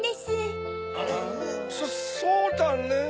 そうだね。